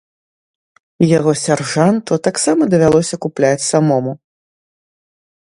Яго сяржанту таксама давялося купляць самому.